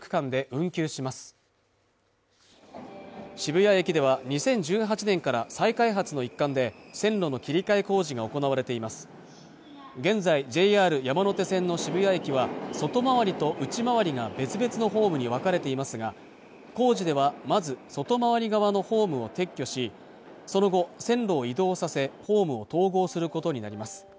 谷駅では２０１８年から再開発の一環で線路の切り替え工事が行われています現在ＪＲ山手線の渋谷駅は外回りと内回りが別々のホームに分かれていますが工事ではまず外回り側のホームを撤去しその後線路を移動させホームを統合することになります